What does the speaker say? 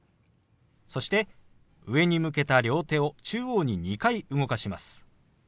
そして上に向けた両手を中央に２回動かします。